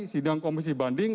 sidang komisi banding